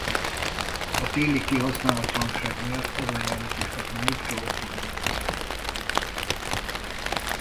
A téli kihasználatlanság miatt ez a járat is csak májustól októberig közlekedik.